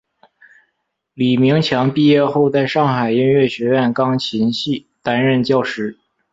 李名强毕业后在上海音乐学院钢琴系担任教师。